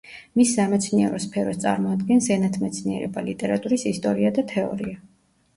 მის სამეცნიერო სფეროს წარმოადგენს ენათმეცნიერება, ლიტერატურის ისტორია და თეორია.